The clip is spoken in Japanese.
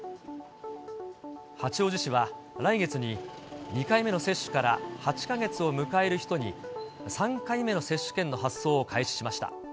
八王子市は来月に、２回目の接種から８か月を迎える人に、３回目の接種券の発送を開始しました。